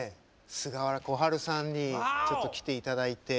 菅原小春さんにちょっと来ていただいて。